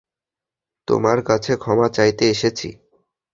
তোমার কাছে ক্ষমা চাইতে এসেছি।